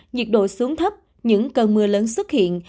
nhiệt độ xuống thấp những cơn mưa lớn xuất hiện